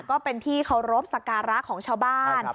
ก็เป็นที่เคารพสักการะของชาวบ้าน